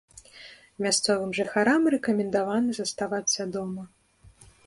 Мясцовым жыхарам рэкамендавана заставацца дома.